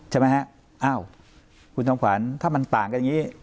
ใช่ไหมฮะอ้าวคุณจอมขวัญถ้ามันต่างกันอย่างนี้